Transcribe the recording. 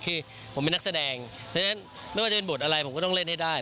คือผมเป็นนักแสดงเพราะฉะนั้นไม่ว่าจะเป็นบทอะไรผมก็ต้องเล่นให้ได้